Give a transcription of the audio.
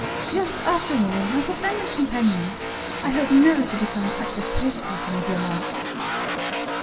Yet, after all, as a friend and companion, I hope never to become quite distasteful to my dear master."